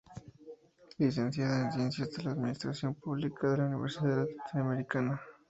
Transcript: Licenciada en Ciencias de la Administración Pública de la Universidad Latinoamericana.